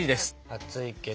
熱いけど。